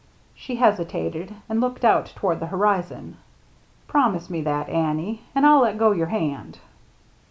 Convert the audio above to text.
She hesitated, and looked out toward the horizon. " Promise me that, Annie, and I'll let go your hand."